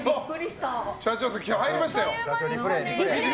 社長、入りましたよ。